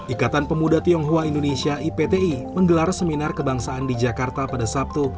ikatan pemuda tionghoa indonesia ipti menggelar seminar kebangsaan di jakarta pada sabtu